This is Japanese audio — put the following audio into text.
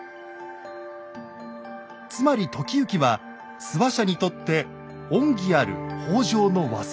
つまり時行は諏訪社にとって恩義ある北条の忘れ形見。